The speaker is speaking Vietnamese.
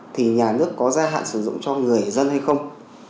thì nhà nước có gia hạn sử dụng cho người dân hay không